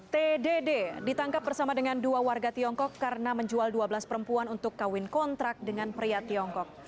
tdd ditangkap bersama dengan dua warga tiongkok karena menjual dua belas perempuan untuk kawin kontrak dengan pria tiongkok